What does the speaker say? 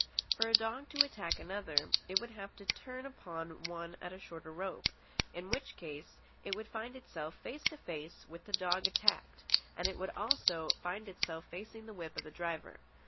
For a dog to attack another, it would have to turn upon one at a shorter rope. In which case it would find itself face to face with the dog attacked, and also it would find itself facing the whip of the driver.